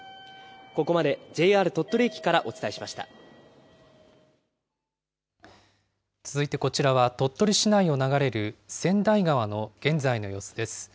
ここまで、ＪＲ鳥取駅からお伝え続いてこちらは、鳥取市内を流れる千代川の現在の様子です。